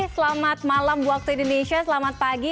selamat malam waktu indonesia selamat pagi